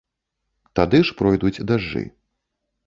Тады ж пройдуць дажджы.